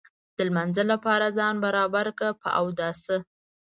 د لمانځه لپاره ځان برابر کړ په اوداسه.